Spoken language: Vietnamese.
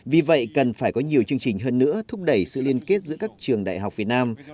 vì vậy cần phải có nhiều chương trình hơn nữa thúc đẩy sự liên kết giữa các trường đại học việt nam